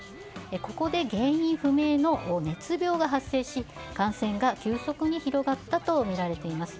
ここで、原因不明の熱病が発生し感染が急速に広がったとみられています。